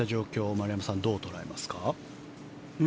丸山さんはどう捉えますか？